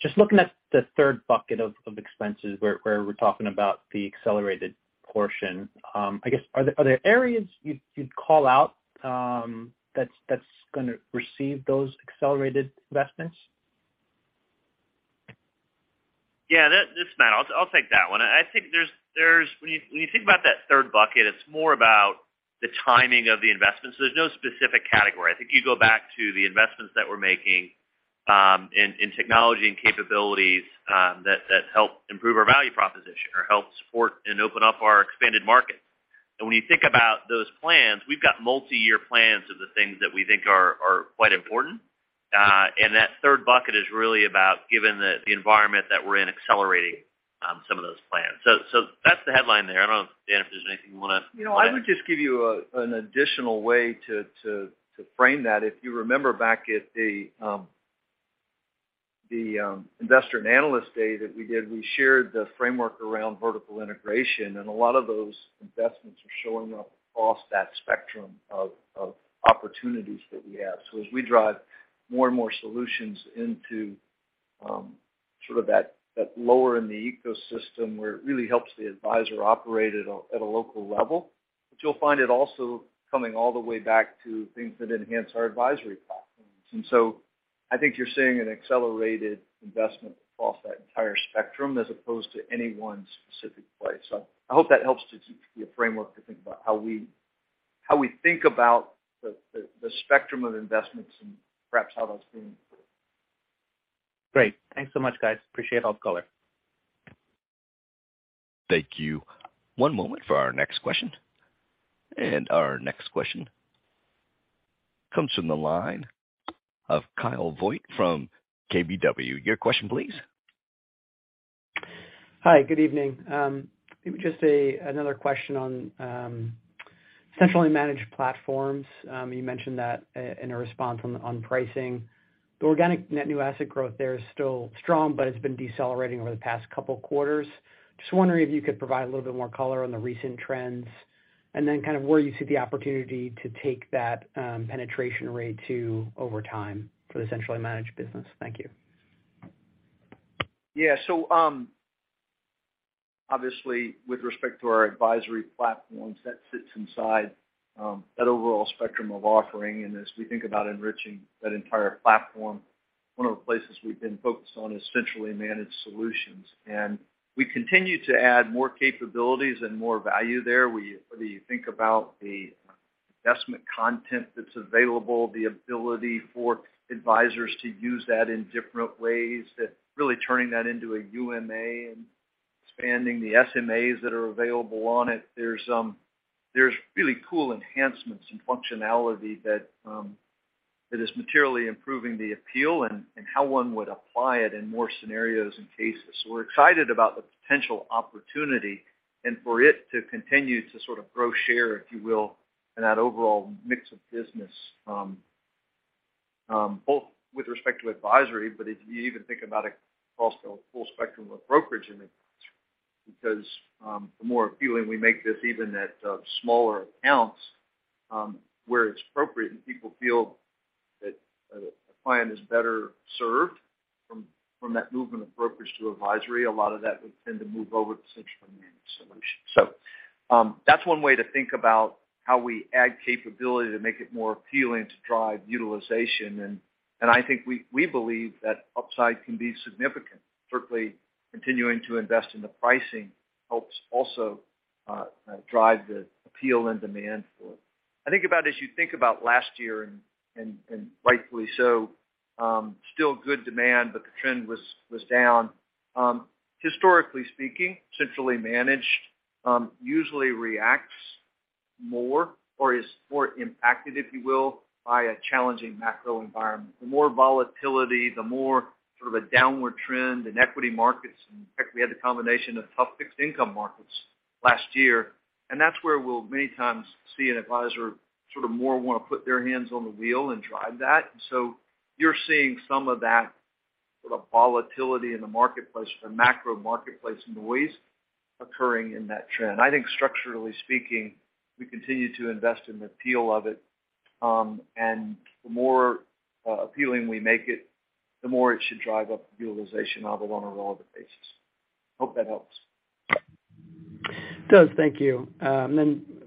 Just looking at the third bucket of expenses where we're talking about the accelerated portion, I guess, are there areas you'd call out that's gonna receive those accelerated investments? This is Matt. I'll take that one. I think there's. When you think about that third bucket, it's more about the timing of the investment, so there's no specific category. I think you go back to the investments that we're making in technology and capabilities that help improve our value proposition or help support and open up our expanded markets. When you think about those plans, we've got multiyear plans of the things that we think are quite important. That third bucket is really about giving the environment that we're in accelerating some of those plans. That's the headline there. I don't know, Dan, if there's anything you wanna. You know, I would just give you an additional way to frame that. If you remember back at the Investor and Analyst Day that we did, we shared the framework around vertical integration, and a lot of those investments are showing up across that spectrum of opportunities that we have. As we drive more and more solutions into sort of that lower in the ecosystem where it really helps the advisor operate at a local level, but you'll find it also coming all the way back to things that enhance our advisory platforms. I think you're seeing an accelerated investment across that entire spectrum as opposed to any one specific place. I hope that helps to give you a framework to think about how we think about the spectrum of investments and perhaps how that's being improved. Great. Thanks so much, guys. Appreciate all the color. Thank you. One moment for our next question. Our next question comes from the line of Kyle Voigt from KBW. Your question please. Hi, good evening. Maybe just another question on Centrally Managed platforms. You mentioned that in a response on pricing. The organic net new asset growth there is still strong, but it's been decelerating over the past couple quarters. Just wondering if you could provide a little bit more color on the recent trends, and then kind of where you see the opportunity to take that penetration rate to over time for the Centrally Managed business. Thank you. Obviously, with respect to our advisory platforms, that sits inside that overall spectrum of offering. As we think about enriching that entire platform, one of the places we've been focused on is Centrally Managed solutions. Whether you think about the investment content that's available, the ability for advisors to use that in different ways, that really turning that into a UMA and expanding the SMAs that are available on it, there's really cool enhancements in functionality that is materially improving the appeal and how one would apply it in more scenarios and cases. We're excited about the potential opportunity and for it to continue to sort of grow share, if you will, in that overall mix of business, both with respect to advisory, but if you even think about it also full spectrum of brokerage and advisory. The more appealing we make this even at smaller accounts, where it's appropriate, and people feel that a client is better served from that movement of brokerage to advisory, a lot of that would tend to move over to Centrally Managed solutions. That's one way to think about how we add capability to make it more appealing to drive utilization. I think we believe that upside can be significant. Certainly, continuing to invest in the pricing helps also drive the appeal and demand for it. I think about as you think about last year, and rightfully so, still good demand, but the trend was down. Historically speaking, Centrally Managed usually reacts more or is more impacted, if you will, by a challenging macro environment. The more volatility, the more sort of a downward trend in equity markets. In fact, we had the combination of tough fixed income markets last year, and that's where we'll many times see an advisor sort of more want to put their hands on the wheel and drive that. You're seeing some of that sort of volatility in the marketplace or macro marketplace noise occurring in that trend. I think structurally speaking, we continue to invest in the appeal of it, the more appealing we make it, the more it should drive up the utilization on a run rate basis. Hope that helps. It does. Thank you.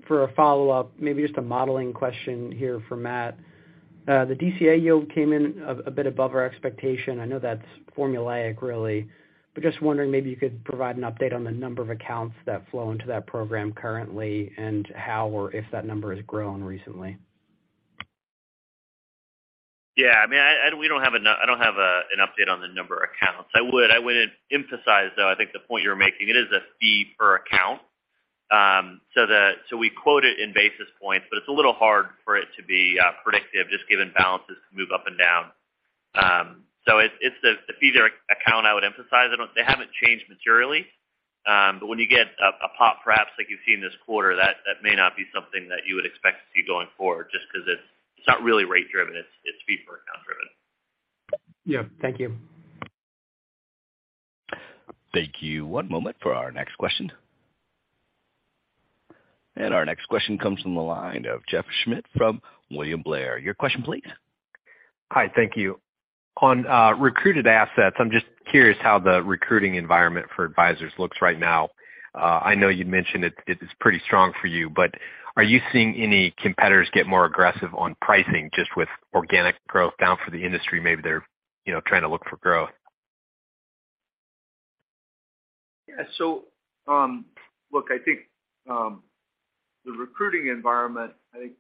For a follow-up, maybe just a modeling question here for Matt. The DCA yield came in a bit above our expectation. I know that's formulaic really, but just wondering maybe you could provide an update on the number of accounts that flow into that program currently and how or if that number has grown recently. I mean, I, we don't have enough. I don't have an update on the number of accounts. I would emphasize, though, I think the point you're making, it is a fee per account. We quote it in basis points, but it's a little hard for it to be predictive just given balances can move up and down. It's the fee per account, I would emphasize. They haven't changed materially. When you get a pop perhaps like you've seen this quarter, that may not be something that you would expect to see going forward just 'cause it's not really rate driven. It's fee per account driven. Yeah. Thank you. Thank you. One moment for our next question. Our next question comes from the line of Jeff Schmitt from William Blair. Your question, please. Hi. Thank you. On recruited assets, I'm just curious how the recruiting environment for advisors looks right now. I know you'd mentioned it is pretty strong for you. Are you seeing any competitors get more aggressive on pricing just with organic growth down for the industry? Maybe they're, you know, trying to look for growth. Look, I think, the recruiting environment, I think,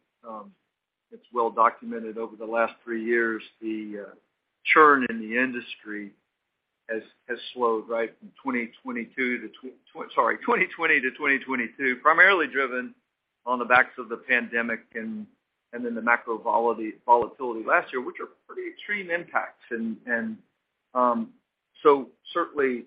it's well documented over the last three years, the churn in the industry has slowed, right, from 2020 to 2022, primarily driven on the backs of the pandemic and then the macro volatility last year, which are pretty extreme impacts. Certainly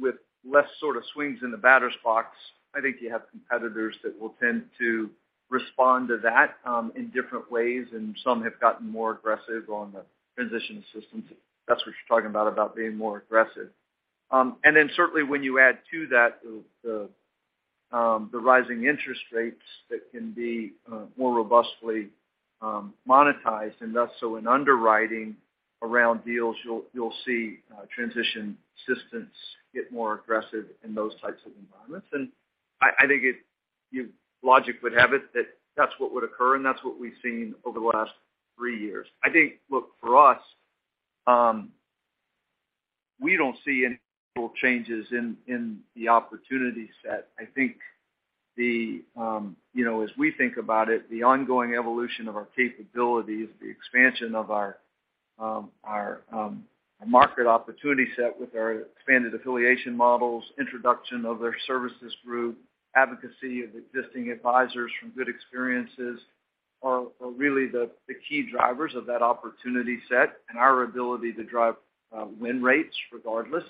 with less sort of swings in the batter's box, I think you have competitors that will tend to respond to that in different ways, and some have gotten more aggressive on the transition assistance. If that's what you're talking about being more aggressive. Certainly when you add to that the rising interest rates that can be more robustly monetized, and thus so in underwriting around deals, you'll see transition assistance get more aggressive in those types of environments. I think logic would have it that that's what would occur, and that's what we've seen over the last 3 years. I think, look, for us, we don't see any changes in the opportunity set. I think the, you know, as we think about it, the ongoing evolution of our capabilities, the expansion of our market opportunity set with our expanded affiliation models, introduction of their services group, advocacy of existing advisors from good experiences are really the key drivers of that opportunity set and our ability to drive win rates regardless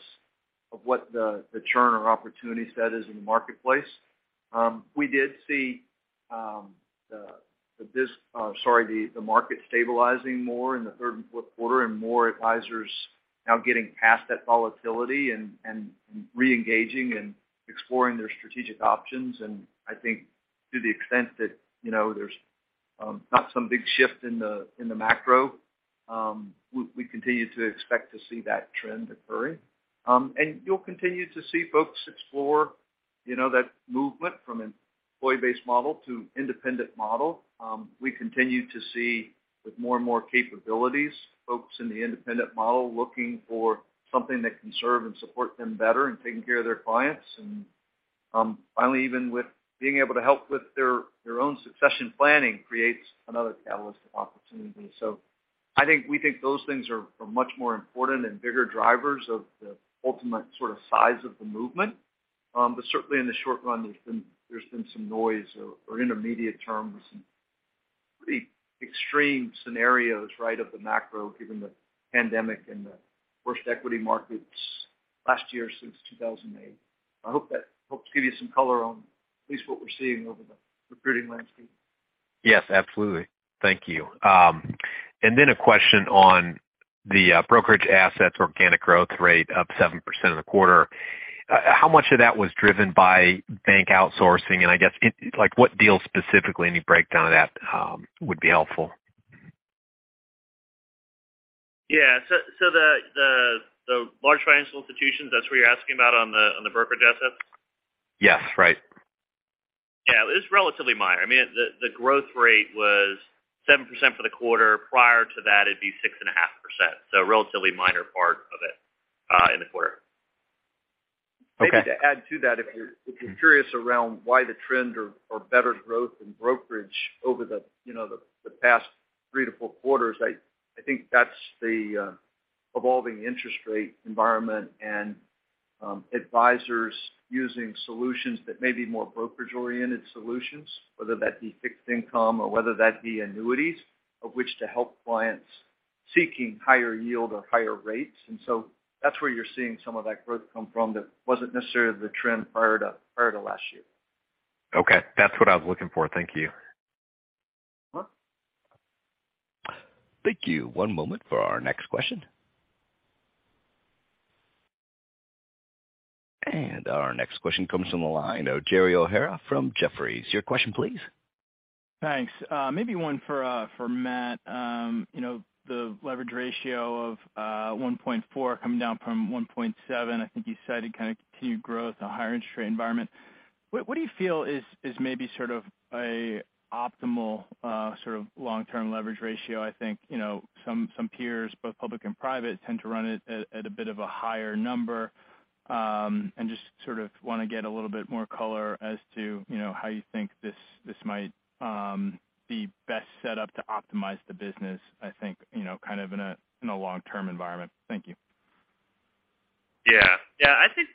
of what the churn or opportunity set is in the marketplace. We did see the market stabilizing more in the third and fourth quarter, and more advisors now getting past that volatility and reengaging and exploring their strategic options. I think to the extent that, you know, there's, not some big shift in the, in the macro, we continue to expect to see that trend occurring. You'll continue to see folks explore, you know, that movement from an employee-based model to independent model. We continue to see with more and more capabilities, folks in the independent model looking for something that can serve and support them better in taking care of their clients. Finally, even with being able to help with their own succession planning creates another catalyst of opportunity. I think we think those things are much more important and bigger drivers of the ultimate sort of size of the movement. Certainly in the short run, there's been some noise or intermediate term, some pretty extreme scenarios, right? Of the macro, given the pandemic and the worst equity markets last year since 2008. I hope that helps give you some color on at least what we're seeing over the recruiting landscape. Yes, absolutely. Thank you. A question on the brokerage assets organic growth rate up 7% in the quarter. How much of that was driven by bank outsourcing? I guess like, what deals specifically? Any breakdown of that would be helpful. Yeah. So the large financial institutions, that's where you're asking about on the brokerage assets? Yes. Right. Yeah. It's relatively minor. I mean, the growth rate was 7% for the quarter. Prior to that, it'd be 6.5%, relatively minor part of it in the quarter. Okay. Maybe to add to that, if you're curious around why the trends are better growth in brokerage over the, you know, the past three to four quarters, I think that's the evolving interest rate environment and advisors using solutions that may be more brokerage-oriented solutions, whether that be fixed income or whether that be annuities of which to help clients seeking higher yield or higher rates. That's where you're seeing some of that growth come from that wasn't necessarily the trend prior to last year. Okay. That's what I was looking for. Thank you. Uh-huh. Thank you. One moment for our next question. Our next question comes from the line of Gerald O'Hara from Jefferies. Your question, please. Thanks. Maybe one for Matt. You know, the leverage ratio of 1.4 coming down from 1.7. I think you said it kinda continued growth in a higher interest rate environment. What do you feel is maybe sort of a optimal, sort of long-term leverage ratio? I think, you know, some peers, both public and private, tend to run it at a bit of a higher number. Just sort of wanna get a little bit more color as to, you know, how you think this might be best set up to optimize the business, I think, you know, kind of in a long-term environment. Thank you. I think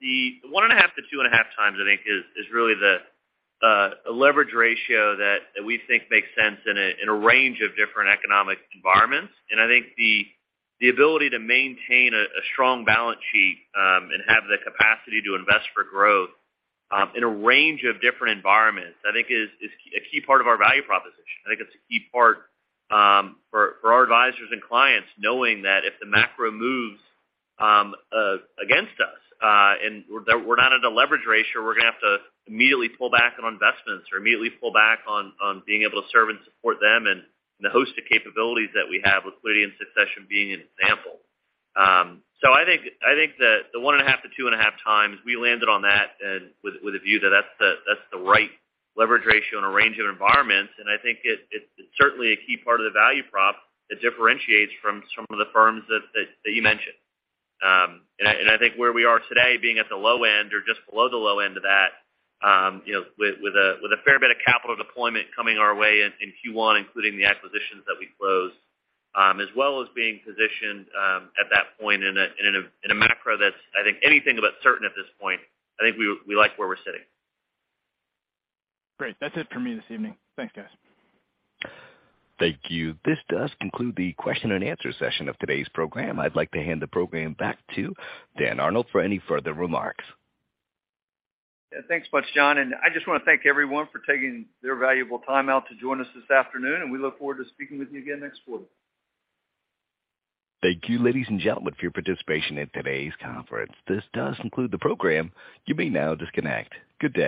the 1.5x-2.5x, I think is really the leverage ratio that we think makes sense in a range of different economic environments. I think the ability to maintain a strong balance sheet and have the capacity to invest for growth in a range of different environments, I think is key, a key part of our value proposition. I think it's a key part for our advisors and clients, knowing that if the macro moves against us and we're not at a leverage ratio, we're gonna have to immediately pull back on investments or immediately pull back on being able to serve and support them and the host of capabilities that we have with liquidity and succession being an example. I think the 1.5-2.5 times we landed on that and with a view that that's the right leverage ratio in a range of environments. I think it's certainly a key part of the value prop that differentiates from some of the firms that you mentioned. I think where we are today, being at the low end or just below the low end of that, you know, with a fair bit of capital deployment coming our way in Q1, including the acquisitions that we closed, as well as being positioned at that point in a macro that's, I think, anything but certain at this point. I think we like where we're sitting. Great. That's it for me this evening. Thanks, guys. Thank you. This does conclude the question and answer session of today's program. I'd like to hand the program back to Dan Arnold for any further remarks. Yeah. Thanks much, John. I just wanna thank everyone for taking their valuable time out to join us this afternoon, and we look forward to speaking with you again next quarter. Thank you, ladies and gentlemen, for your participation in today's conference. This does conclude the program. You may now disconnect. Good day.